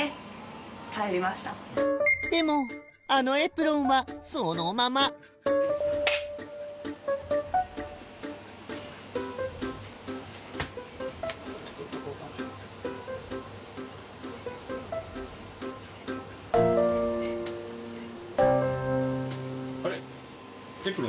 でもあのエプロンはそのままあれ？